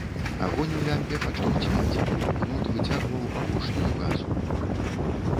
Агонь у лямпе пачаў цьмець, кнот выцягваў апошнюю газу.